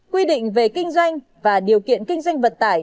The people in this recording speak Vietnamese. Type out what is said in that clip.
quy định về kinh doanh và điều kiện kinh doanh vận tải